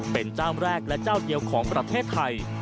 เป็นเจ้าแรกและเจ้าเดียวของประเทศไทย